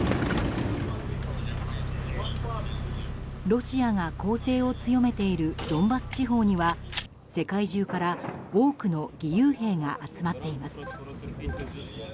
ロシアが攻勢を強めているドンバス地方には世界中から多くの義勇兵が集まっています。